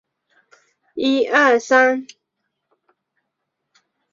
瑞士联赛杯是瑞士一项足球杯赛。